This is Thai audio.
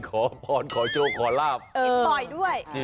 ขอพรขอโชคขอลาบกินบ่อยด้วย